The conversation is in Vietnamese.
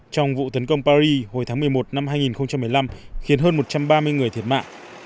trong vụ tấn công paris hồi tháng một mươi một năm hai nghìn một mươi năm khiến hơn một trăm ba mươi người thiệt mạng